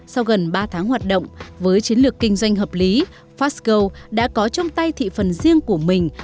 sau gần ba tháng hoạt động với chiến lược kinh doanh hợp lý fastgo đã có trong tay thị phần riêng của mình